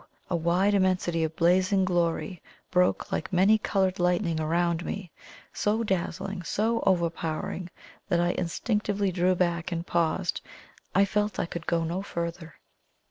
a wide immensity of blazing glory broke like many coloured lightning around me so dazzling, so overpowering, that I instinctively drew back and paused I felt I could go no further.